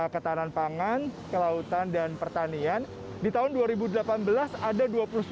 ketahanan pangan kelautan dan pertanian di tahun dua ribu delapan belas ada